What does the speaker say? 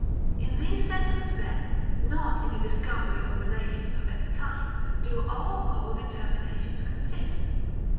In these sentiments then, not in a discovery of relations of any kind, do all moral determinations consist.